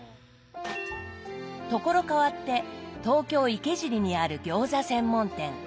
所変わって東京・池尻にある餃子専門店。